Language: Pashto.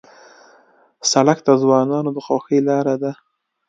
سړک د ځوانانو د خوښۍ لاره ده.